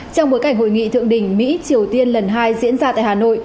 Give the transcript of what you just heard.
trong bối cảnh hội nghị thượng đỉnh mỹ triều tiên lần hai diễn ra tại hà nội